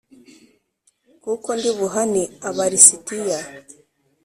kuko ndi buhane Aba lisitiya